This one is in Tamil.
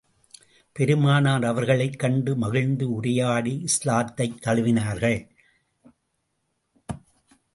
பெருமானார் அவர்களைக் கண்டு மகிழ்ந்து உரையாடி, இஸ்லாத்தைத் தழுவினார்கள்.